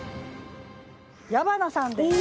矢花さんです。